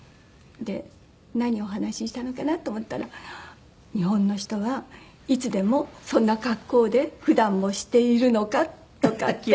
何をお話ししたのかなと思ったら「日本の人はいつでもそんな格好で普段もしているのか？」とか。着物？